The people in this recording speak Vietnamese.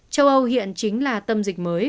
châu âu hiện chính là tâm dịch mới